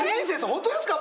本当ですか？